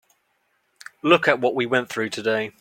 Look at what we went through today.